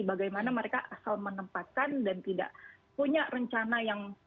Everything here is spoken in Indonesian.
bagaimana mereka asal menempatkan dan tidak punya rencana yang